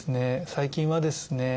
最近はですね